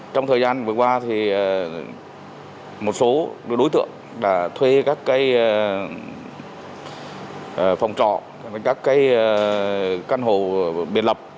trong thời gian vừa qua một số đối tượng đã thuê các phòng trọ các căn hồ biên lập